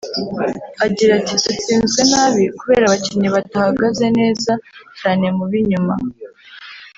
Agira ati “Dutsinzwe nabi kubera abakinnyi batahagaze neza cyane mu b’inyuma